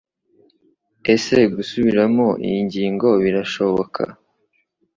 Ese gusubiramo iyi ngingo birashoboka?